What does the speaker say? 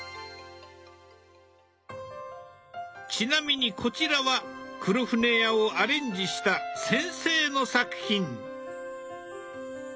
ちなみにこちらは「黒船屋」をアレンジした先生の作品。